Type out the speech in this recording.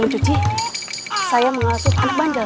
mencuci saya mengasuh anak bandel